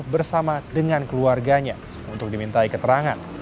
bersama dengan keluarganya untuk dimintai keterangan